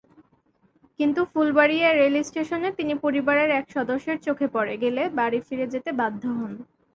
কিন্তু ফুলবাড়িয়া রেলস্টেশনে তিনি পরিবারের এক সদস্যের চোখে পড়ে গেলে বাড়ি ফিরে যেতে বাধ্য হন।